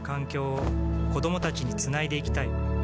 子どもたちにつないでいきたい